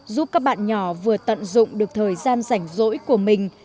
giúp các bạn nhỏ vừa tận dụng được thời gian rảnh rỗi của mình